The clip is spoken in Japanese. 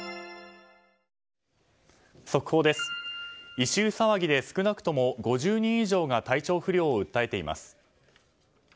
異臭騒ぎで少なくとも５０人以上が体調不良を訴えています。